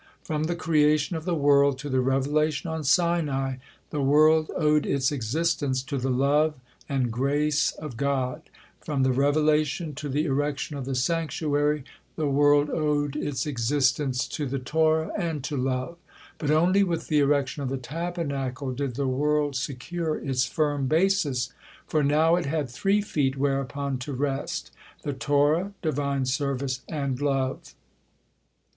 From the creation of the world to the revelation on Sinai the world owed its existence to the love and grave of God; from the revelation to the erection of the sanctuary, the world owed its existence to the Torah and to love, but only with the erection of the Tabernacle did the world secure its firm basis, for now it had three feet whereupon to rest, the Torah, Divine service, and love.